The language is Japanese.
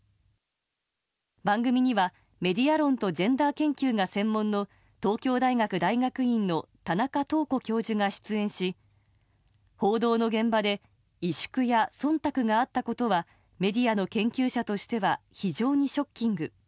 番組には、メディア論とジェンダー研究が専門の東京大学大学院の田中東子教授が出演し報道の現場で萎縮や忖度があったことはメディアの研究者としては非常にショッキング。